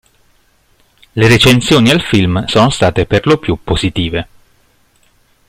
Le recensioni al film sono state perlopiù positive.